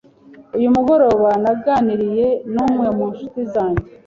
Uyu mugoroba naganiriye n’umwe mu nshuti zanjye